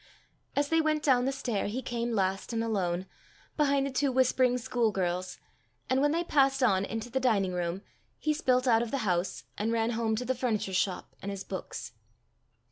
As they went down the stair, he came last and alone, behind the two whispering school girls; and when they passed on into the dining room, he spilt out of the house, and ran home to the furniture shop and his books.